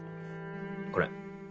これ。